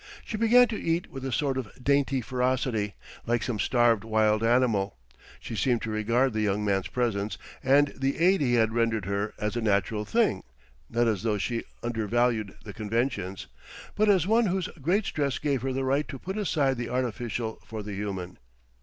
She began to eat with a sort of dainty ferocity like some starved wild animal. She seemed to regard the young man's presence and the aid he had rendered her as a natural thing—not as though she undervalued the conventions; but as one whose great stress gave her the right to put aside the artificial for the human.